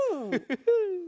フフフ。